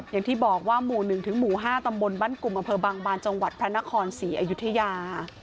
อย่างที่บอกว่าหมู่๑ถึงหมู่๕ตำบลบ้านกลุ่มอำเภอบางบานจังหวัดพระนครศรีอยุธยา